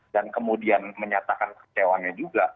dan kemudian menyatakan kecewanya juga